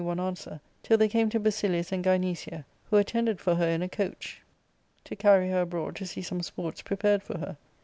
one answer, till they came to Basilius and Gynecia, who attended for her in a coach, to carry her. ARCADIA.—Book IL 135 abroad to see some sports prepared for her.